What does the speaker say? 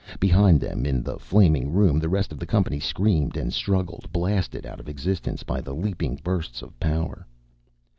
Behind them, in the flaming room, the rest of the company screamed and struggled, blasted out of existence by the leaping bursts of power.